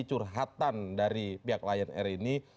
curhatan dari pihak lion air ini